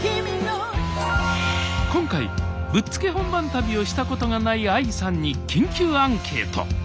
今回ぶっつけ本番旅をしたことがないＡＩさんに緊急アンケート。